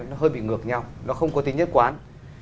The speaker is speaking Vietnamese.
nó hơi bị ngược nhau nó không có tính nhất quán